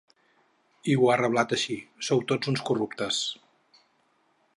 I ho ha reblat així: Sou tots uns corruptes.